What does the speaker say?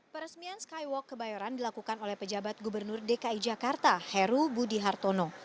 peresmian skywalk kebayoran dilakukan oleh pejabat gubernur dki jakarta heru budi hartono